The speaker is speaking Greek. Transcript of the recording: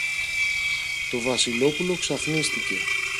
Το Βασιλόπουλο ξαφνίστηκε.